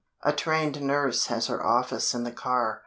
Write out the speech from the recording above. A trained nurse has her office in the car.